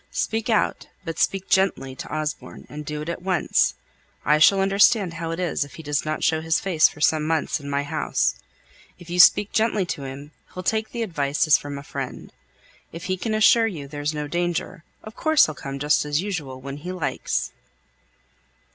Speak out, but speak gently to Osborne, and do it at once. I shall understand how it is if he doesn't show his face for some months in my house. If you speak gently to him, he'll take the advice as from a friend. If he can assure you there's no danger, of course he'll come just as usual, when he likes."